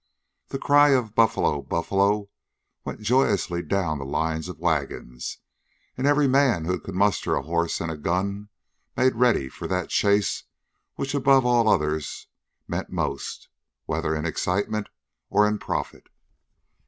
The cry of "Buffalo! Buffalo!" went joyously down the lines of wagons, and every man who could muster a horse and a gun made ready for that chase which above all others meant most, whether in excitement or in profit.